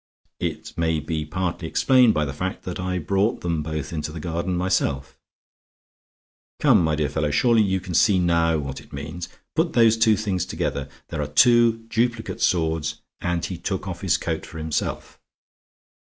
It may be partly explained, by the fact that I brought them both into the garden myself ... come, my dear fellow; surely you can see now what it means. Put those two things together; there were two duplicate swords and he took off his coat for himself.